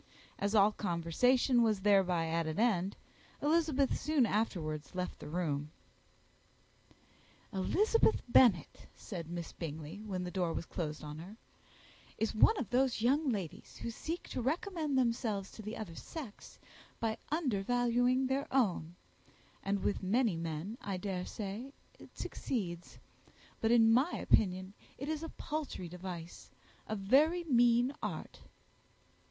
As all conversation was thereby at an end, Elizabeth soon afterwards left the room. "Eliza Bennet," said Miss Bingley, when the door was closed on her, "is one of those young ladies who seek to recommend themselves to the other sex by undervaluing their own; and with many men, I daresay, it succeeds; but, in my opinion, it is a paltry device, a very mean art."